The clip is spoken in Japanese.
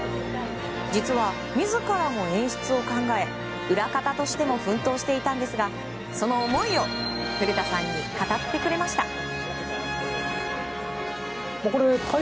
実は、自らも演出を考え裏方としても奮闘していたんですがその思いを古田さんに語ってくれました。